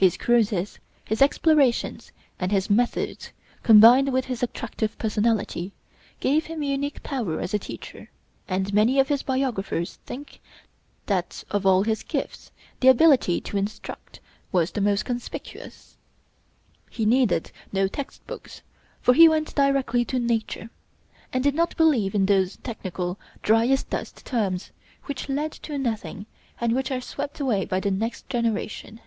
His cruises, his explorations, and his methods, combined with his attractive personality, gave him unique power as a teacher; and many of his biographers think that of all his gifts, the ability to instruct was the most conspicuous. He needed no text books, for he went directly to Nature, and did not believe in those technical, dry as dust terms which lead to nothing and which are swept away by the next generation.